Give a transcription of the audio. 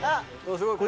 すごい。